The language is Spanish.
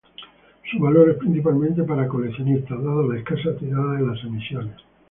Su valor es principalmente para coleccionistas, dada la escasa tirada de las emisiones.